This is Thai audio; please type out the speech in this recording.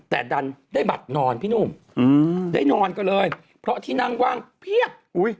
แต่ดันได้บัตรนอนพี่หนุ่มได้นอนก็เลยเพราะที่นั่งว่างเพียบ